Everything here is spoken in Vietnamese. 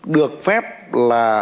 được phép là